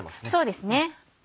そうですね。